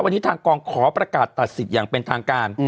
วันนี้ทางกองขอประกาศตัดสิทธิ์อย่างเป็นทางการ